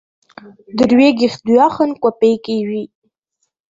Дырҩегьых дҩахан кәапеик ижәит.